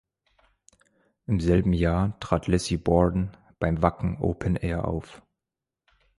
Im selben Jahr trat Lizzy Borden beim Wacken Open Air auf.